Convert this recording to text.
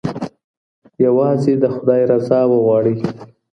یوازې د خدای رضا وغواړئ.